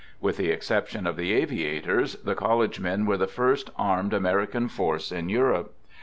fWith the exception of the aviators, the college men were the first armed American force in Europe.